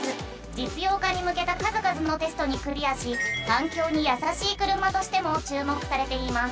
実用化にむけたかずかずのテストにクリアし環境にやさしい車としても注目されています。